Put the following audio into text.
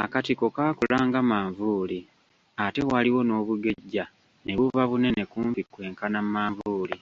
Akatiko kaakula nga manvuuli, ate waliwo n’obugejja ne buba bunene kumpi kwenkana manvuuli.